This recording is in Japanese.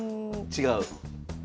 違う？